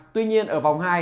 tuy nhiên ở vòng hai